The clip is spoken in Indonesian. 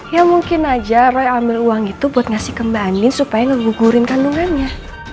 ya mungkin aja roy ambil uang itu buat ngasih ke mbak andin supaya ngebuburin kandungannya